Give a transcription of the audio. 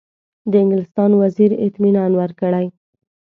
د انګلستان وزیر اطمینان ورکړی.